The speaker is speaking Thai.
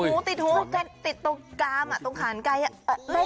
หูติดหูติดตรงกามตรงขานไกล